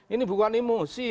ini bukan emosi